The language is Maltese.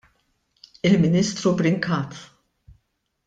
Il-Ministru Brincat.